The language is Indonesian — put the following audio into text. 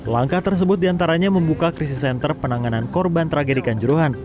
langkah tersebut diantaranya membuka krisis center penanganan korban tragedi kanjuruhan